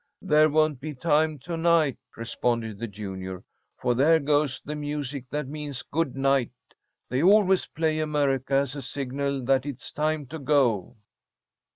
"There won't be time to night," responded the junior, "for there goes the music that means good night. They always play 'America' as a signal that it's time to go."